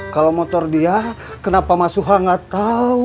kalau motor dia kenapa mas suha gak tahu